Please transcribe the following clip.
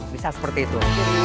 bisa seperti itu